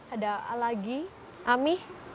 ada lagi ami